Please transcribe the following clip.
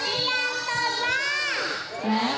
คือนอาทิาณสมอเกล้ง